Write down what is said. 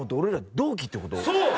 そう！